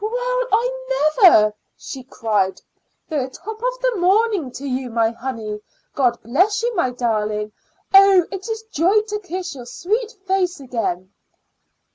"Why, I never!" she cried. "The top of the morning to you, my honey! God bless you, my darling! Oh, it is joy to kiss your sweet face again!"